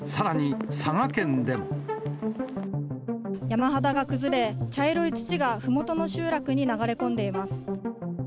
山肌が崩れ、茶色い土がふもとの集落に流れ込んでいます。